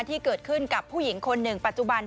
ที่เกิดขึ้นกับผู้หญิงคนหนึ่งปัจจุบัน